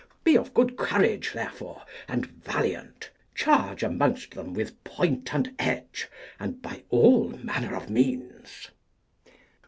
Be of good courage, therefore, and valiant; charge amongst them with point and edge, and by all manner of means.